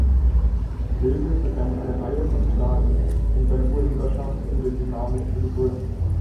Wilde begann eine Reihe von Klagen um seine Urheberschaft um den Dynamo zu begründen.